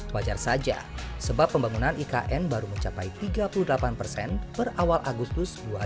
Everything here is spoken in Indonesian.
wajar saja sebab pembangunan ikn baru mencapai tiga puluh delapan persen per awal agustus dua ribu dua puluh